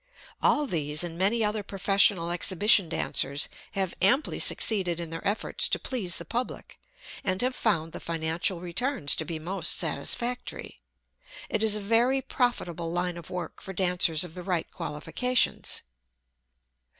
All these and many other professional exhibition dancers have amply succeeded in their efforts to please the public, and have found the financial returns to be most satisfactory. It is a very profitable line of work for dancers of the right qualifications.